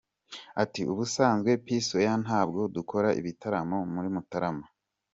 Ati “Ubusanzwe P-Square ntabwo dukora ibitaramo muri Mutarama.